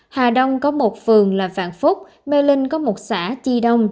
hà đông có một phường là vạn phúc mê linh có một xã chi đông